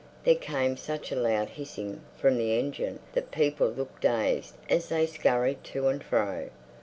There came such a loud hissing from the engine that people looked dazed as they scurried to and fro.